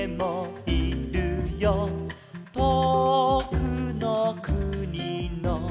「とおくのくにの」